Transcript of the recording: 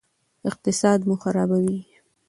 اقتصاد مو خرابوي.